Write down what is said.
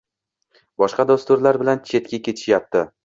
boshqa dasturlar bilan chetga ketishyapti.